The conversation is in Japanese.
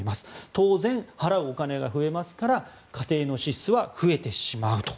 当然、払うお金が増えますから家庭の支出は増えてしまうと。